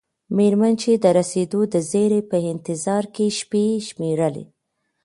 میرمن چې د رسیدو د زیري په انتظار کې شیبې شمیرلې.